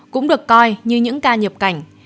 cũng được coi như những ca nhập cảnh